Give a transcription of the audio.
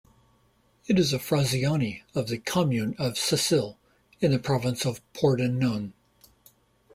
It is a "frazione" of the "comune" of Sacile, in the province of Pordenone.